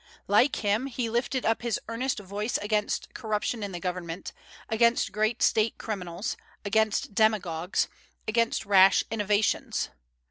Like him, he lifted up his earnest voice against corruption in the government, against great state criminals, against demagogues, against rash innovations.